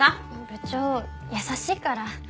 部長優しいから。